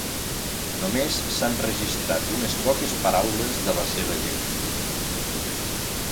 Només s'han registrat unes poques paraules de la seva llengua.